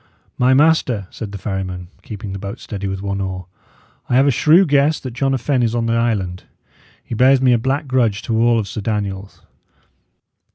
"My master," said the ferryman, keeping the boat steady with one oar, "I have a shrew guess that John a Fenne is on the island. He bears me a black grudge to all Sir Daniel's.